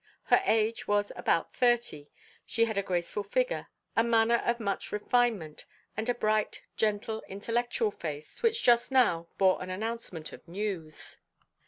Her age was about thirty; she had a graceful figure, a manner of much refinement, and a bright, gentle, intellectual face, which just now bore an announcement of news.